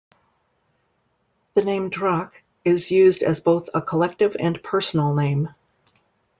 The name "Drakh" is used as both a collective and personal name.